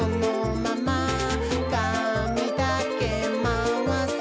「かみだけまわす」